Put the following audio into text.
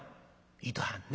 「いとはんね？